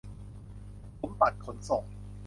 ถมปัดขนส่ง